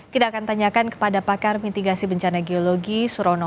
kita akan tanyakan kepada pakar mitigasi bencana geologi surono